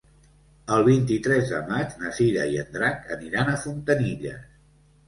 El vint-i-tres de maig na Cira i en Drac aniran a Fontanilles.